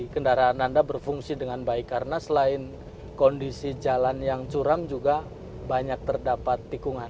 kendaraan anda berfungsi dengan baik karena selain kondisi jalan yang curam juga banyak terdapat tikungan